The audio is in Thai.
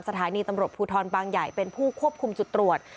สถานีตำรวจภูทรบางใหญ่เป็นผู้ควบคุมจุดตรวจ